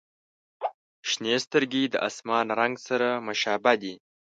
• شنې سترګې د آسمان رنګ سره مشابه دي.